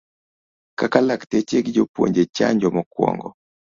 Kaka lakteche gi jopuonje chanjo mokuongo